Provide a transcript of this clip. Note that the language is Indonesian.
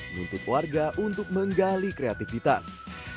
nuntut warga untuk menggali kreativitas